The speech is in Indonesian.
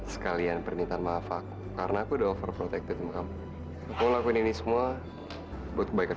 sekalian perintah maaf aku karena aku dover proteksi kamu aku lakuin ini semua buat kebaikan